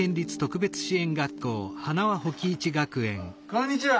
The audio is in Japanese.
こんにちは。